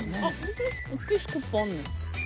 大きいスコップあるのよ。